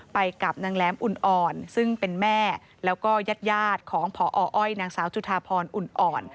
ไปกับนางแหลมอุ่นอ่อนซึ่งเป็นแม่แล้วก็ญาติของพออ้อยนางสาวจุธาพรอุ่นอ่อน